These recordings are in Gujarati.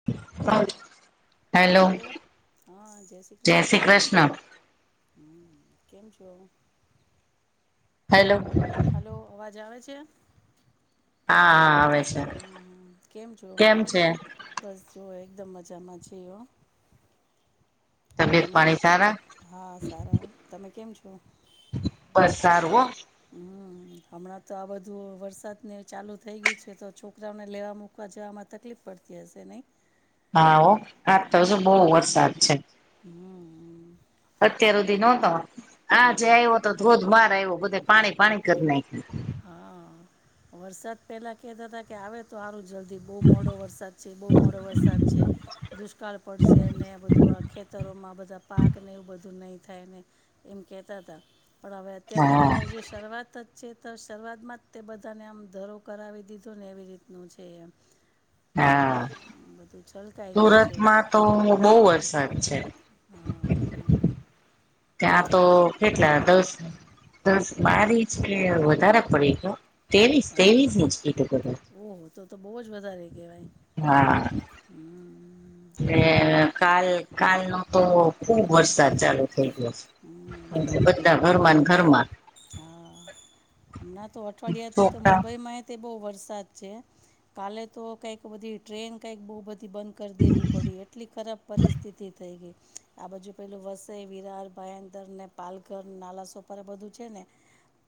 [inaudible] હેલો હલો હા જય શ્રી કૃષ્ણ હમ કેમ છો? હેલો હલો અવાજ આવે છે? હા હા આવે છે હમ કેમ જો બસ જોઓ એકદમ મજામાં છે હો. તબિયત પાણી સારા? હા સારા તમે કેમ છો? બસ સારું હો. હમ હમણાં તો આ બધું વરસાદને ચાલુ થઈ ગયું છે તો છોકરાઓને લેવા મૂકવા જવામાં તકલીફ પડતી કેસે નય? હા ઓ આજતો શુ બહુ વરસાદ છે. હમ અત્યાર સુધી નહતો આ હમ જે હમ આવ્યો તો ધોધ બાર આવ્યો બધે પાણી પાણી કરી ના હા વરસાદ પહેલા કેતાતા કે આવે તો સારું જલ્દી બહુ મોડો વરસાદ છે બહુ મોડો વરસાદ છે. દુષ્કાળ પડશે ને આ બધું આ ખેતરોમાં બધા પાકને એવું બધું નહીં થાય ને એમ કેતા હતા પણ હવે અત્યારે હા જે શરૂઆત જ છે તો શરૂઆત માં જ તે બધાને આમ ધરો કરાવી દીધો ને એવી રીતનું છે એમ. હા બધું છલકાઈ ગયું છે. સુરતમાં તો બહુ વરસાદ છે. હા, હમ. ત્યાં તો કેટલા દસ દસ બારી છે વધારે પડી ગયો તેવીશ પણ તેવીશ ઈચ એટું કર ઓહો તો તો બહુ જ વધારે કહેવાય. હા હમ્મ. એ હા બા. કાલ કાલ નો તો ખુબ વરસાદ ચાલુ હમ્મ. બધા ઘરમાં ઘરમાં હા હમણાં તો અઠવાડિયાથી તો છોકરા મુંબઈમાં બહ વરસાદ છે કાલે તો કક બધી ટ્રેન કક બ બંધ કરી દેવી પડી એટલી ખરાબ પરિસ્થિતિ થઈ ગઈ આ બાજુ પેલું વસ વિરાર ભયંદર ને પાલઘર નાલા સોપર એ બધું છે ને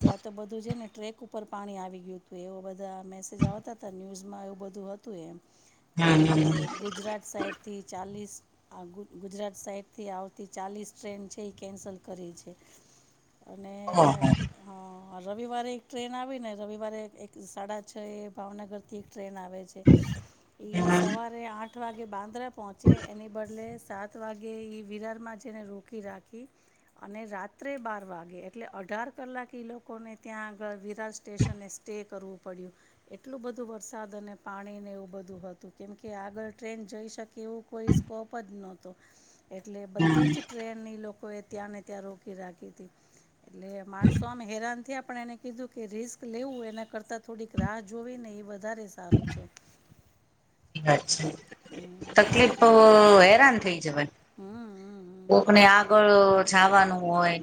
ત્યાં તો બધું છે ને ટ્રેક ઉપર ઉપર પાણી આવી ગયું હતું એવો બધા મેસેજ આવતા હતા ન્યૂઝમાં એવું બધું હતું એમ કે હમ હમ ગુજરાત સાઈડથી ચાલીસ આ ગુજરાત સાઈડથી આવતી ચાલીસ ટ્રેન છે એ કેન્સલ કરી છે અને ઓહ હા રવિવારે એક ટ્રેન આવી ને રવિવારે એક સાડા છ એ ભાવનગરથી એક ટ્રેન આવે છે. [unintelligible] ઈ સવારે આઠ વાગે બાંદ્રા પહોંચે એને બદલે સાત અ વાગે એ વિરાર માં જેને રોકી રાખી. અને રાત્રે બાર વાગે એટલે અઢાર કલાક લોકોને ત્યાં આગળ વિરાર સ્ટેશને તે કરવું પડ્યું. એટલું બધું વરસાદ અને પાણીને એવું બધું હતું કેમકે આગળ ટ્રેન જઈ શકે એવું કોઈ સ્કોપ જ નહોતો એટલે હમ બધી જ ટ્રેનની લોકોએ ત્યાં ને ત્યાં રોકી રાખી હતી. એટલે માણસો આમ હેરાન થયા પણ એને કીધું કે રિસ્ક લેવું એના કરતા થોડીક રાહ જોવી ને એ વધારે સારું છે. [inaudible] અચ્છા હમ તકલીફ તો હેરાન થઈ જવા. હમ હમ હમ હમ. કોકને આગળ જવાનું હોય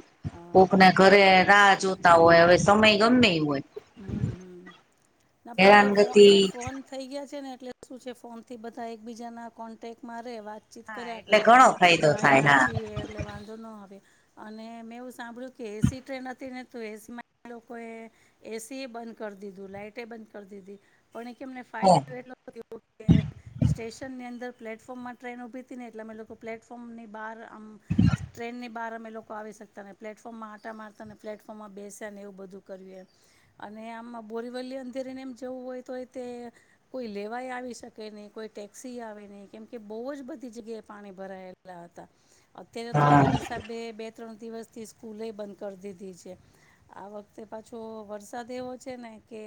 કોકને હા ઘરે રાહ જોતા હોય. હ સમય હા ગમે એ હોય હમ હમ ના પણ હવે હેરાનગતિ ફો ફોન થઈ ગયા છે ને એટલે શું છે ફોનથી બધા એકબીજાના કોન્ટેક્ટમાં રહે વાત વાતચીત હા કર્યા એટલે કરે ઘણો કે ફાયદો થાય અહીયા હા છીએ. એટલે વાંધો ન આવે અને મેં એવું સાંભળ્યું કે એસી ટ્રેન હતી ને તો એસીમાં લોકોએ એસી એ બંધ કરી દીધું લાાઈટે બંધ કરી દીધી પણ એ કેમને ઓહ ફટ ઓ [unintelligible] સ્ટેશનની અંદર પ્લેટફોર્મમાં ટ્રેન ઉભી હતીહીને એટલે અ લોકો પ્લેટફોર્મની બહાર આમ ટ્રેનની બહાર અમે લોકો આવી શકતાને પ્લેટફોર્મમાં આટા મારતા ને પ્લેટફોર્મમાં બેસી ને એવું બધું કર અને આમાં બોરીવલી અંદેરીને એમ જવું હોય તો તે કોઈ લેવાઈ આવી શકે નહીં કોઈ ટેક્સી આવે નહી કેમકે બહુ જ બધી જગ્યાએ પાણી ભરાયેલ અત્યારે તો હા એના હિસાબે બે ત્રણ દિવસથી સ્કૂલે બંધ કરી દીધી છે. આ વખતે પાછો વરસાદ એવો છે ને કે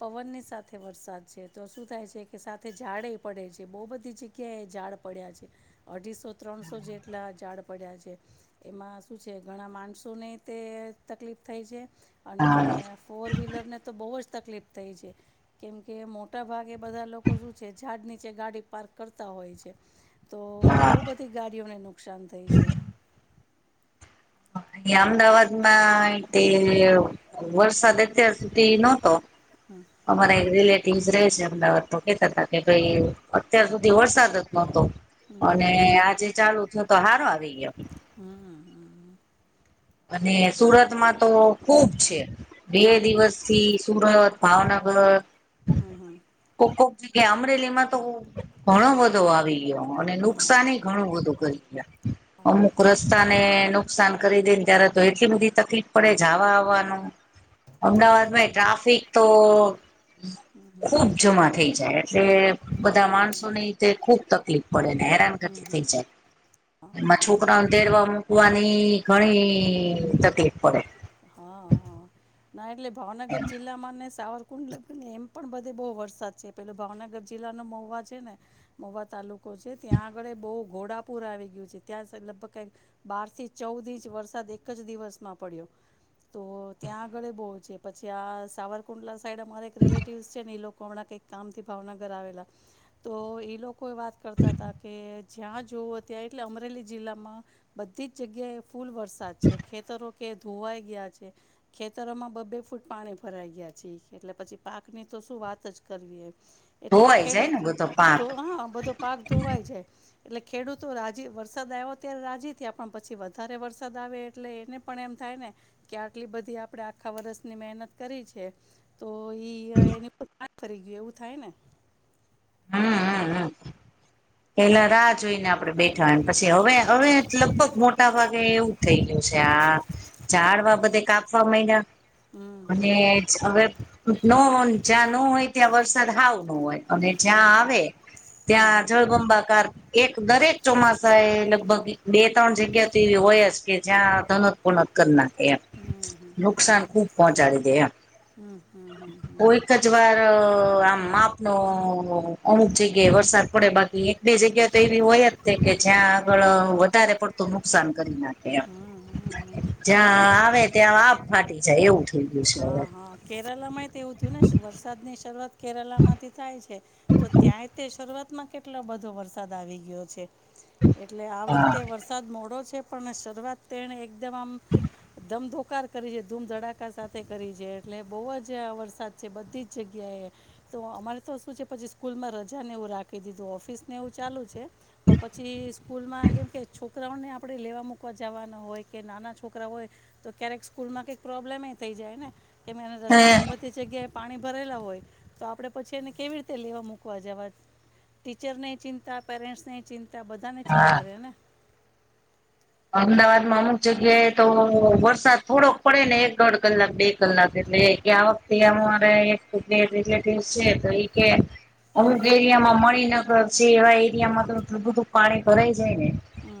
પવનની સાથે વરસાદ છે તો શું થાય છે કે સાથે ઝાડે પડે છે બહુ બધી જગ્યા ઝાડ પડ્યા છે અઢીસો ત્રણસો જેટલા ઝાડ પડ્યા છે એમાં શું છે ઘણા માણસોને તે તકલીફ થાય છે. અને હા ફોર વ્હીલરને તો બહુ જ તકલીફ થઈ છે. કેમકે મોટા ભાગે બધા લોકો શું છે ઝાડ નીચે ગાડી પાર્ક કરતા હોય છે. તો હા બહુ બધી ગાડીઓને નુકસાન થઈ છે. અહં અમદાવાદમાં તે વરસાદ અત્યાર સુધી નહતો. હા અમારા એક રિલેટિવસ રહે છે અમદાવાદ તો કેતા હતા કે ભાઈ અત્યાર સુધી વરસાદ જ નતો. હમ હમ અને આજે ચાલુ થયો તો હારો આવી ગયો. હા હા અને સુરતમાં તો ખુબ છે બે હમ હમ દિવસ થી સુરત ભાવનગર હા હા કોકોક કે અમરેલી માં તો ઘણો બધો આવી ગયો. અને હા નુકસાન ઘણું બધું કરી ગયા અમુક રસ્તા ને નુકસાન કરી દે ત્યારે તો એટલી બધી તકલીફ પડે જવા આવવાનું અમદાવાદમાં એ ટ્રાફિક તો ખુબ જમા થઈ જાય એટલે બધા માણસોને તે ખુબ તકલીફ પડે ને હેરાન ગતી થઈ જાય હા એમાં છોકરાઓને એટલે તેડવા મૂકવા સુવાની ઘણી તકલીફ પડે. હા હા ના એટલે ભાવનગર જિલ્લા માં ને સાવરક કુંડલગ્નને એમ પણ બધે બહુ વરસાદ છે પેલો ભાવનગર જિલ્લાનો મહવા છે ને મોવા તાલુકો છે ત્યાં આગળ બહુ ઘોડાપુર આવી ગયું છે ત્યાં લગભગ કઈક બાર થી ચૌદ ઇંચ વરસાદ એક જ દિવસમાં પડ્યો. તો ત્યાં આગળ બહુ છે પછી આ સાવરકુંડલા સાઈડ અમારે એક રિલેટિવ છે ને એ લોકો હમણાં કંઈક કામથી ભાવનગર આવેલા તો એ લોકો વાત કરતા હતા કે જ્યાં જવઓ ત્યાં એટલે અમરેલી જિલ્લામાં બધી જ જગ્યાએ ફૂલ વરસાદ છે ખેતરો કે ધોવાઈ ગયા છે. ખેતરોમાં બ બે ફૂટ પાણી ભરાઈ ગયા છે એટલે પછી પાક ની તો શું વાત જ કરવી એ. એટલે ધોવાઈ જાય ખેડૂત ને બધો પાક ધો બધો પાક ધોવાય જાય. એટલે ખેડૂતો રાજી વરસાદ આવ્યો ત્યારે રાજી થયા પણ પછી વધારે વરસાદ આવે એટલે એને પણ એમ થાય ને કે આટલી બધી આપડે આખા વર્ષની મહેનત કરી છે તો ઈ એની ખરી ગયું એવું થાય ને? હમ હમ હમ પેલા રાહ જોઈને આપડે બેઠ થ પછી હવે હવે લગભગ મોટા ભાગે એવું થઈ ગયું છે આ ઝાડવા બધે કાપવા હમ મંડ્યા હમ અને હવે ન જ્યાં ન હોય ત્યાં વરસાદ હાવ ન હોય અને હા હા જ્યાં આવે ત્યાં જળબંબાકાર. એક દરેક ચોમાસા એ લગભગ બે ત્રણ જગ્યા તો એવી હોય જ કે જ્યાં ધનતપણત કર નાખે એમ નુકસાન ખુબ પહોંચાડી દે એમ. હમ હમ હમ હમ. એક જ વાર આમ માપનો અમુક જગ્યાએ વરસાદ પડે બાકી બે જગ્યા તો એવી હોય જ છે કે જ્યાં આગળ વધારે પડતું નુકસાન કરી નાખે. કેરલામાંય જ્યાં આવે ત્યાં આભ ફાટી જાય એવું થઈ ગયું છે હવે. કેરલામાંય એવું થું ને વરસાદ ની શરૂઆત કેરલા માંથી થાય છે. તો ત્યાં તે શરૂઆતમાં કેટલો બધો વરસાદ આવી ગયો છે એટલે આ હા વખતે વરસાદ વરસાદ મોડો છે પણ શરૂઆત તેને એકદમ આમ ધમધોકાર. કરી છે ધૂમધડાકા સાથે કરી છે એટલે બહુ જ વરસાદ છે બધી જ જગ્યાએ. તો અમારે તો શું છે પછી સ્કૂલમાં રજા ને એવું રાખી દીધું ઓફિસ ને એવું ચાલુ છે. પણ પછી સ્કૂલ માં કેમ કે છોકરાઓને આપડે લેવા મૂક જવાના હોય કે નાના છોકરા હોય તો ક્યારેક સ્કૂલ માં કઈક પ્રોબ્લેમ એ થઈ જાય ને. કેને હે રસ્તામાં બધ જગ્યાએ પાણી ભરેલા હોય તો, આપડે પછી એને કેવી રીતે લેવા મૂકવા જવા? ટીચર ને ચિંતા પેરેન્ટસ ની ચિંતા બધાને હા ચિંતા રહે ને. અમદાવાદમાં અમુક જગ્યાએ તો વરસાદ થોડોક. પડે ને એક દોઢ કલાક બે કલાક એટલે કે આ વખતેમા છે ટ્વિન્સ છે. કે અમુક એરિયામાં મણિનગર છે એવા એરિયામાં તો બધું પાણી ભરાઈ જાય ને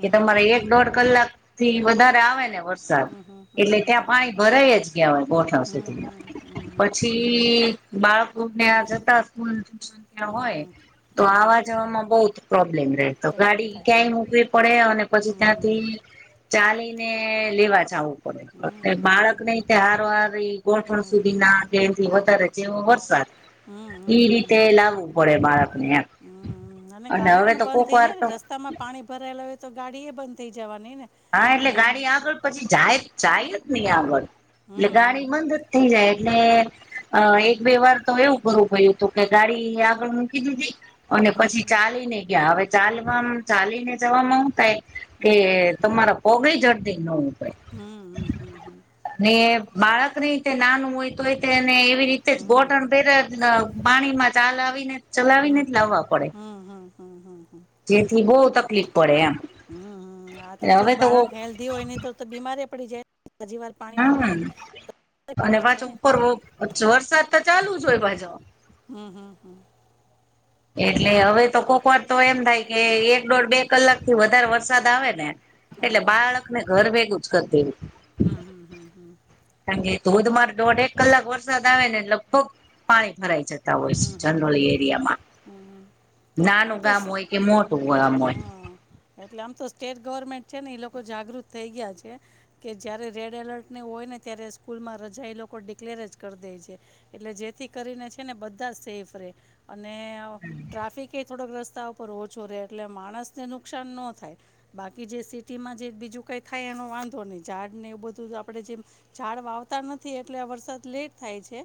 કે તમારે એક દોઢ કલાક થી વધારે આવે ને હમ હમ એટલે ત્યાં હમ પાણી ભરાઈ જ ગયા હોય ગોઠણ હમ હમ હમ સુધીમાં હમ હમ હમ હમ પછી. બાળકોને જતા સ્કૂલ ટ્યુશન ત્યા હમ હોય. હમ તો હમ હમ આવા જવામાં બહુ પ્રોબ્લેમ રહે તો તકલીફ ગાડી થાય ક્યાંય મૂકવી પડે અને પછી હમ ત્યાં હમ ચાલીને લેવા જાવું પડે હમ બાળક ને તે હારો હાર ગોઠણ હમ સુધી ના બેથી વધારે જેવો વરસાદ. હમ હમ એઈ હમ રીતે લાવવું પડે બાળક ને એમ. હમ અને ગાડી હવે પણ તો બંધ કોક થઈ વાર જાય ને તો. રસ્તામાં પાણી ભરાયેલા હોય તો ગાડી એ બંધ થઈ જવાની ને. હા એટલે અને હમ ગાડી આગળ પછી જાય જાય જ નહી આગળ એટલે હમ ગાડી બંધ જ થઈ જાય. એટલે અ હમ એક બે વાર તો એવું કરું પયું હતું કે ગાડી આગડ મૂકી દીધી. અને હમ પછી હમ ચાલીને ગયા હવે ચાલવા ચાલીને જવામાં હું થાય કે હમ હમ તમારા પોગળી જઝંડી ન હોય. હમ હમ હમ હમ. બાળકની રીતે નાનું હોય તો હોયને એવી રીતે હમ ગોઠણ પેર એટ પાણીમાં ચાલ આવી ને ચલાવી ને જ લાવવા પડે. હમ હમ હમ. જેથી બહુ તકલીફ પડે એમ. હમ હમ આ તો એટલે ઠીક હવે બાળક હેલ્ધી હોય ને તો બીમારેય પડી જાય. હજી વાર પાણી મારે હમ અને પડી જાય પાછો ને ઉપર વરસાદ તો ચાલુ જ હોય પાછો. હમ હમ હમ. એટલે હવે તો કોકવાર તો એમ થાય કે એક દોઢ બે કલાક થી વધારે વરસાદ આવે ને. એટલે હા બાળકને ઘર ભેગું જ કર દેવુ. હમ હમ હમ હમ કારણ કે ધોધમાર દોઢ એક કલાક વરસાદ આવે ને એટલે લગભગ પાણી ભરાય જાય. હોય છે હમ જનરલ હમ હમ એરિયામાં હમ આમ નાનું તો ગામ સ- હોય કે મોટું ગામ હોય. હા, એટલે આમ તો સ્ટેટ ગવર્મેન્ટ છે ને એ લોકો જાગૃત થઈ ગયા છે. કે જ્યારે રેડ એલર્ટને હોય ને ત્યારે સ્કૂલમાં રજા એ લોકો ડિકલેર જ કરી દે છે. એટલે જેથી કરીને છે ને બધ ધા સેફ રે અને ટ્રાફિક એ થોડા રસ્તાઓ બધા પર ઓછો રહે એટલે માણસને નુકશાન નો થાય. બાકી જે સિટીમાં જે બીજું કઈ થાય એનો વાંધો નહી ઝાડ ને એવું બધું તો આપડે જે ઝાડ વાવતા નથી એટલે આ વરસાદ લેટ થાય છે.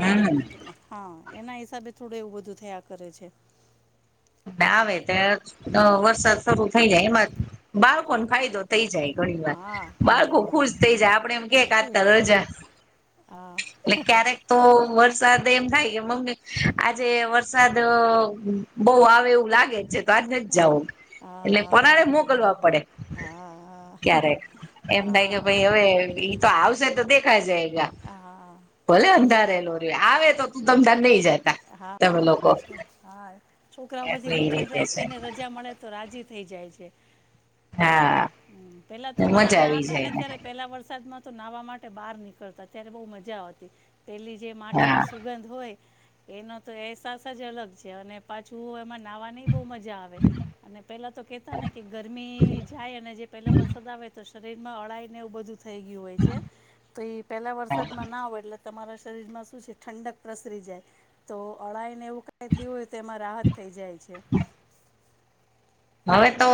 હમ હા એના હિસાબે થોડું એવું બધું થયા કરે છે. ના આવે ત્યા વરસાદ શરૂ થઇ જાય એમાં બાળકોને ફાયદો. થઈ જાય ઘડીક વાર હા હા બાળકો હા ખુશ થઈ જાય આપડે એમ કેક આજ તાર રજા હા એટલે ક્યારેક તો વરસાદ એમ થાય મમ્મી આજે વરસાદ બઉ આવે એવું લાગે છે તો આજ નથ જાવ એટલે આ પરાણે મોકલવા પડે. આ ક્યારેક એમ થાય કે આ ભાઈ હવે ઈ તો આવશે તો દેખાસે જાય આ ભલે રુ અંધારે લો ર આવે તો તું તમ તાર નઈ જા હા બ હા છોકરાઓ પછી એટલે એ રૂટીન રીતે છે લાઈફથી ને રજા મળે તો રાજી થઈ જાય છે હ હા પેલા તો અમે મજા નાના આવી હતા જાય ને એને ત્યારે પેલા વરસાદમાં તો નાહવા માટે બહાર નીકળતા ત્યારે બહુ મજા આવતી. પેલી જે હા માટીની સુગંધ હોય એનો તો એહેસાસ જ અલગ છે અને પાછું એમાં નાહવાની બહુ મજા આવે. અને પેલા તો કેતા ને કે ગરમી જાય અને જે પેલો વરસાદ આવે તો શરીરમાં અળાઈ ને એવું બધું થઈ ગયું હોય છે તો એ પેલા વરસાદમાં નાવ એટલે તમારા શરીરમાં શું છે ઠંડક પ્રસરી જાય. તો અળાઈને એવું કઈ થયું હોય તો એમાં રાહત થઈ જાય છે. [inaudible] હવે તો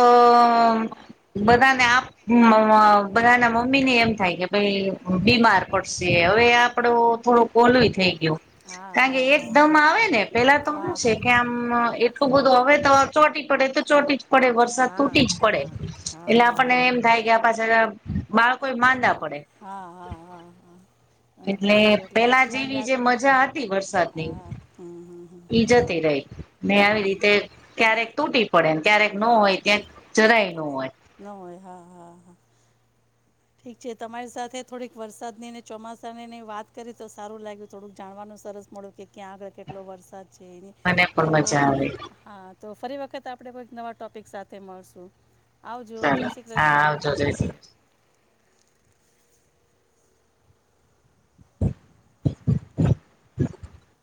બધાને આમ બધા ના મમ્મી ને એમ થાય કે ભાઈ બીમાર પડશે હવે આપડો થોડોક ઓલું એ થઈ ગયું હા કાણ કે હા હા હા એકદમ આવે ને પેલા તો હા હું છે હા કે આમ તો બધું હવે તો ચોટી પડે તે ચોટી જ પડે વરસાદ હા તૂટી જ હા પડે હા હા એટલે હા આપણને એમ થાય કે પાછળ બાળકો માંદા પડે હા હા હા હા એટલે પેલા જેવી જે મજા હતી વરસાદની, હા હમ હમ હમ ઈ જતી રહી. ને હમ આવી રીતે હમ ક્યારેક તૂટી પડે ને ક્યારેક નો હોય ક્યાં જરાય ન હોય ન હોય હા હા હા ઠીક છે તમારી સાથે થોડીક વરસાદની ને ચોમાસાની ની વાત કરી તો સારું લાગ્યું થોડુંક જાણવાનું સરસ મળ્યું કે ક્યાં આગળ કેટલો વરસાદ છે મને તો પણ મજા આવે હા તો ફરી વખત આપણે કોઈક નવા ટોપિક સાથે મળશું આવજો જય ચાલો શ્રી હા કૃષ્ણ. આવજો જય સી [inaudible]